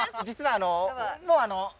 実はあのもうあの。